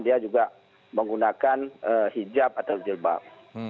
dia juga menggunakan hijab atau jilbab